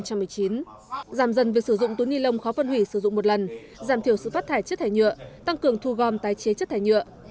giảm dần việc sử dụng túi ni lông khó phân hủy sử dụng một lần giảm thiểu sự phát thải chất thải nhựa tăng cường thu gom tái chế chất thải nhựa